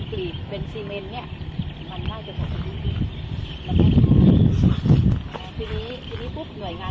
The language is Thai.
ทีนี้ปุ๊บหน่วยงานที่เกี่ยวข้องก็จะมีในเสือนของของเชิงหัสที่เป็นวัฒนา